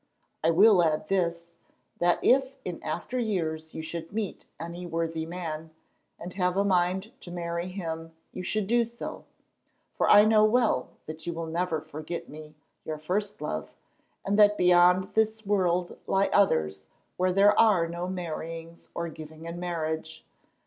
I will add this, that if in after years you should meet any worthy man, and have a mind to marry him, you should do so, for I know well that you will never forget me, your first love, and that beyond this world lie others where there are no marryings or giving in marriage.